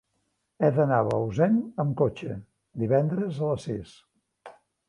He d'anar a Bausen amb cotxe divendres a les sis.